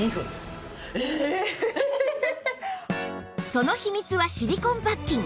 その秘密はシリコンパッキン